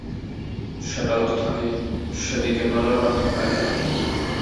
সেটা যাতে থাকে সেদিকে নজর রাখা প্রয়োজন।